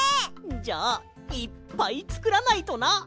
じゃあいっぱいつくらないとな。